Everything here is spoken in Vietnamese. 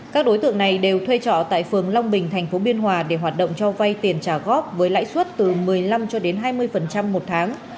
các đối tượng này đều thuê trọ tại phường long bình tp biên hòa để hoạt động cho vay tiền trả góp với lãi suất từ một mươi năm cho đến hai mươi một tháng